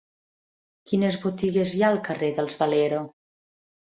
Quines botigues hi ha al carrer dels Valero?